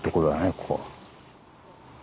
ここは。